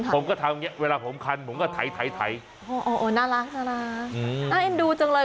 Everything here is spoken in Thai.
ผมก็ทำอย่างเงี้เวลาผมคันผมก็ไถโอ้น่ารักน่าเอ็นดูจังเลย